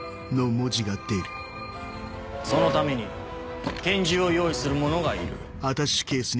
そのために拳銃を用意する者がいる。